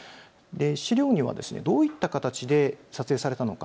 資料にはどういった形で撮影されたのか